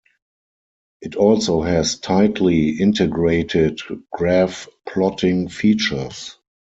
It also has tightly integrated graph-plotting features.